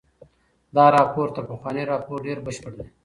دا راپور تر پخواني راپور ډېر بشپړ دی.